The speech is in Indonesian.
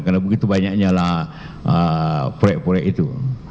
karena begitu banyaknya lah proyek proyek itu